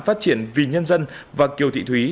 phát triển vì nhân dân và kiều thị thúy